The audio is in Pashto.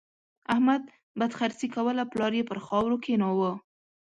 احمد بدخرڅي کوله؛ پلار يې پر خاورو کېناوو.